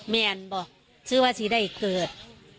แม่อันบอกซื้อว่าสิได้เกิด